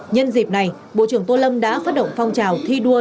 nhân dịp này bộ trưởng tô lâm đã phát động phong trào thi đua